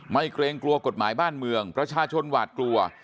เกรงกลัวกฎหมายบ้านเมืองประชาชนหวาดกลัว